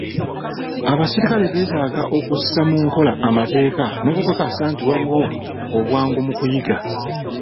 Abaserikale beetaaga okussa mu nkola amateeka n'okukakasa nti waliwo obwangu mu kuyiga.